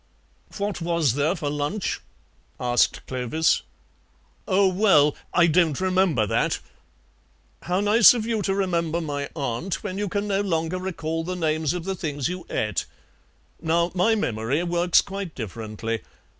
"What was there for lunch?" asked Clovis. "Oh, well, I don't remember that " "How nice of you to remember my aunt when you can no longer recall the names of the things you ate. Now my memory works quite differently.